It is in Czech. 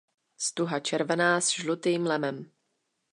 Stuha červená s žlutým lemem.